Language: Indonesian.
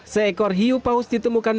seekor hiu paus ditemukan